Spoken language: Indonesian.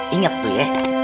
ingat tuh ya